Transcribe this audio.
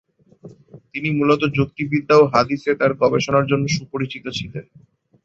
তিনি মূলত যুক্তিবিদ্যা ও হাদীসে তার গবেষণার জন্য সুপরিচিত ছিলেন।